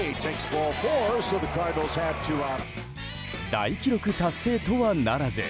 大記録達成とはならず。